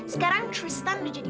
sekarang tristan mau jauhi tristan